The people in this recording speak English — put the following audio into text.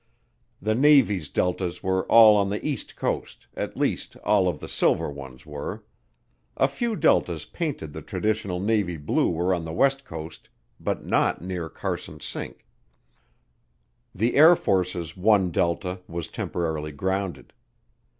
The Navy's deltas were all on the east coast, at least all of the silver ones were. A few deltas painted the traditional navy blue were on the west coast, but not near Carson Sink. The Air Force's one delta was temporarily grounded.